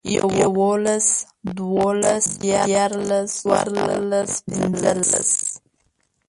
يوولس، دوولس، ديارلس، څوارلس، پينځلس